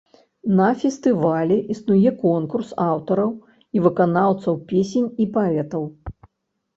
На фестывалі існуе конкурс аўтараў і выканаўцаў песень і паэтаў.